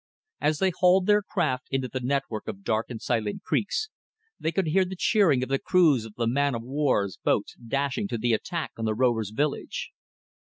As they hauled their craft into the network of dark and silent creeks, they could hear the cheering of the crews of the man of war's boats dashing to the attack of the rover's village.